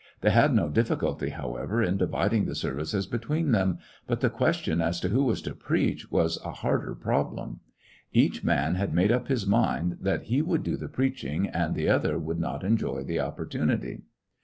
They had no difBlculty, however, in dividing the services between them, but the question as to who was to preach was a harder prob lem. Each man had made up his mind that 136 ^ecottections of a he would do the preaching and the other should not enjoy the opportunity.